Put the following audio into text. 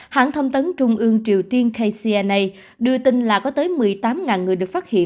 hãng thông tấn trung ương triều tiên kcna đưa tin là có tới một mươi tám người được phát hiện